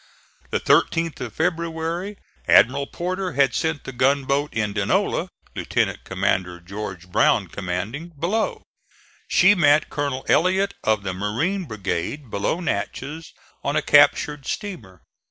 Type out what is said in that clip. The 13th of February Admiral Porter had sent the gunboat Indianola, Lieutenant Commander George Brown commanding, below. She met Colonel Ellet of the Marine brigade below Natchez on a captured steamer.